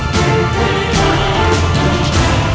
tidak ada apa apa